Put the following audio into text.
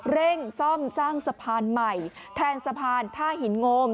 เร่งซ่อมสร้างสะพานใหม่แทนสะพานท่าหินโงม